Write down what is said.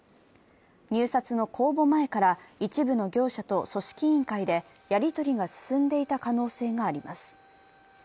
入札の公募前から一部の業者と組織委員会でやり取りが進んでいた可能性があります。